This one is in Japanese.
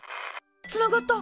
つながった！